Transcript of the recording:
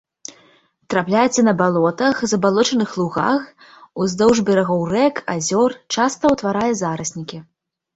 Трапляецца на балотах, забалочаных лугах, уздоўж берагоў рэк, азёр, часта ўтварае зараснікі.